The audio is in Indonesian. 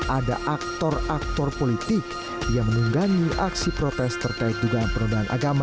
ada aktor aktor politik yang menunggangi aksi protes terkait dugaan penodaan agama